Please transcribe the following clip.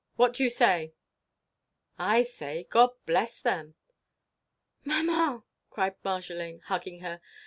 "What do you say?" "I say, God bless them." "Maman!" cried Marjolaine, hugging her.